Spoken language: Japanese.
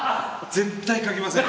絶対書きません。